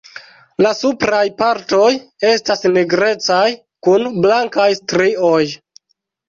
La supraj partoj estas nigrecaj kun blankaj strioj.